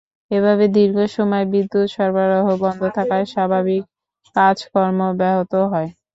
এভাবে দীর্ঘ সময় বিদ্যুৎ সরবরাহ বন্ধ থাকায় স্বাভাবিক কাজকর্ম ব্যাহত হয়।